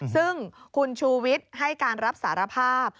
ซึ่งคุณชูวิทย์ให้การรับสารภาพ